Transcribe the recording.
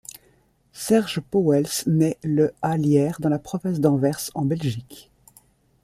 Serge Pauwels naît le à Lierre, dans la province d'Anvers, en Belgique.